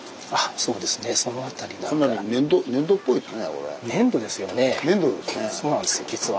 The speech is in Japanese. そうなんですよ実は。